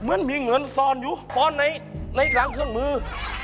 เหมือนมีเงินซ่อนอยู่ซ่อนในหลังเครื่องมือ